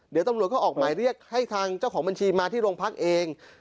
เดี๋ยวตำรวจเขาออกหมายเรียกให้ทางเจ้าของบัญชีมาที่โรงพักเอง